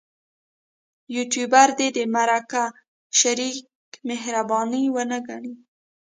یوټوبر دې د مرکه شریک مهرباني ونه ګڼي.